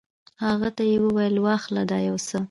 هغه ته یې وویل: واخله دا یوسه.